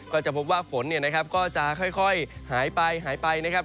ก็จะพบว่าฝนเนี่ยนะครับก็จะค่อยหายไปหายไปนะครับ